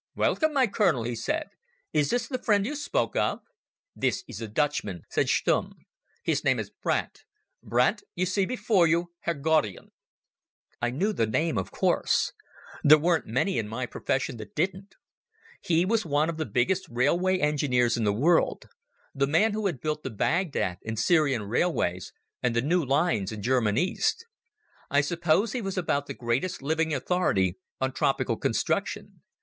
"Welcome, my Colonel," he said. "Is this the friend you spoke of?" "This is the Dutchman," said Stumm. "His name is Brandt. Brandt, you see before you Herr Gaudian." I knew the name, of course; there weren't many in my profession that didn't. He was one of the biggest railway engineers in the world, the man who had built the Baghdad and Syrian railways, and the new lines in German East. I suppose he was about the greatest living authority on tropical construction.